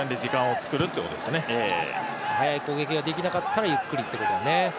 速い攻撃ができなかったらゆっくりということで。